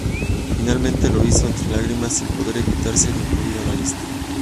Finalmente lo hizo entre lágrimas, sin poder evitar ser incluido en la lista.